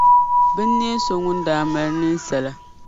binneen’ so ŋun daa ŋmani ninsala.